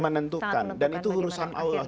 menentukan dan itu urusan allah